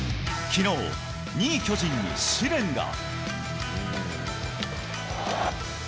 きのう、２位巨人に試練が。